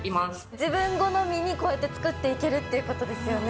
自分好みにこうやって作っていけるっていうことですよね。